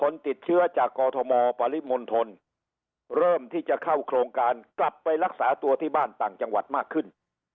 เริ่มที่จะเข้าโครงการกลับไปรักษาตัวที่บ้านต่างจังหวัดมากขึ้น